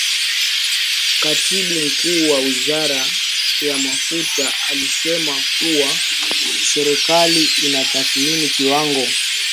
Katibu Mkuu wa Wizara ya Mafuta alisema kuwa serikali inatathmini kiwango